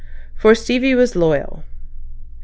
For Stevie was loyal. .